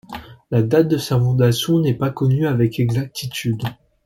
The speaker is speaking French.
La date de sa fondation n'est pas connue avec exactitude.